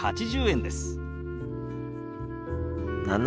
７８０円ですね？